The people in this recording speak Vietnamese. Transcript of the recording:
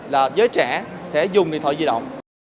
tám mươi là giới trẻ sẽ dùng điện thoại di động